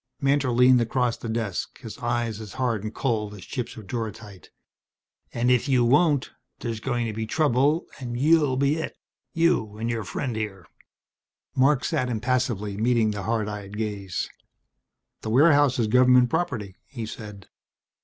Mantor leaned across the desk, his eyes as hard and cold as chips of duratite. "And if you won't, there's going to be trouble and you'll be it you and your friend here." Marc sat impassively, meeting the hard eyed gaze. "That warehouse is government property," he said.